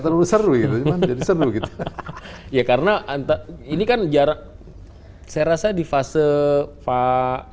terlalu seru gitu jadi seru gitu ya karena ini kan jarak saya rasa di fase pak